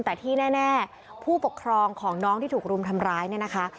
แต่ที่แน่ผู้ปกครองของน้องที่ถูกรุมทำร้ายเนี่ยนะคะ